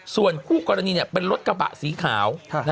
ส่วนคู่กรณีเป็นรถกระบะสีขาว